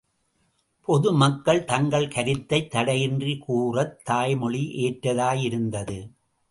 பொதுமக்கள் தங்கள் கருத்தைத் தடையின்றிக் கூறத் தாய் மொழி ஏற்றதாய் இருந்தது.